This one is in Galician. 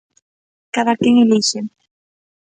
Cada quen elixe.